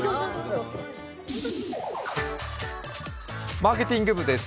マーケティング部です。